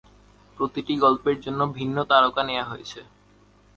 প্রতিটি গল্পের জন্য ভিন্ন তারকা নেয়া হয়েছে।